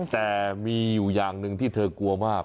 แต่มีอยู่อย่างหนึ่งที่เธอกลัวมาก